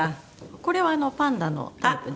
これはパンダのタイプですね。